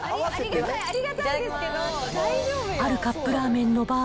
あるカップラーメンの場合。